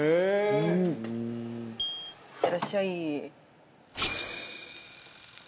いってらっしゃい！